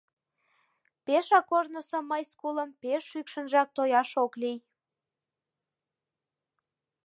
Пешак ожнысо мыйс кулым пеш шӱкшынжак тояш ок лий!